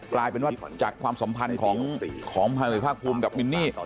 กลายเป็นว่าจากความสัมพันธ์ของทางเอกภาคภูมิกับมินนี่